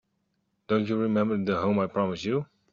Don't you remember the home I promised you?